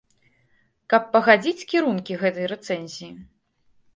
Каб пагадзіць кірункі гэтай рэцэнзіі.